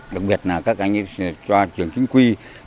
đặc biệt là các anh cho trường chính quy